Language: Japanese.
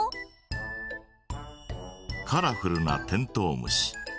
カラフルなテントウムシ。